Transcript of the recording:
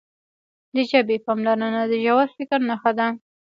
د ژبې پاملرنه د ژور فکر نښه ده.